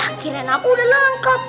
lah kirain aku udah lengkap